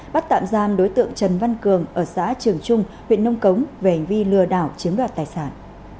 bắt tạm giam đối tượng trần văn cường ở xã trường trung huyện nông cống về hành vi lừa đảo chiếm đoạt tài sản